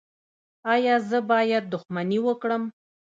ایا زه باید دښمني وکړم؟